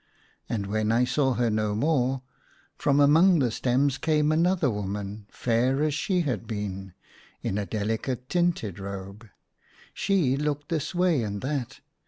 And when I saw her no ACROSS MY BED. 135 more, from among the stems came another woman fair as she had been, in a delicate tinted robe ; she looked this way and that.